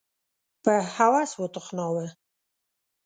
په هوس وتخناوه